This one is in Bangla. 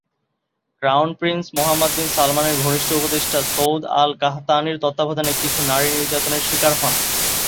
ক্রাউন প্রিন্স মোহাম্মদ বিন সালমানের ঘনিষ্ঠ উপদেষ্টা সৌদ আল-কাহতানির তত্ত্বাবধানে কিছু নারী নির্যাতনের শিকার হন।